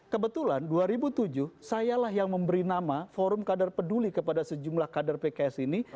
kebetulan dua ribu tujuh sayalah yang memberi nama forum kadar peduli kepada sejumlah kader pks ini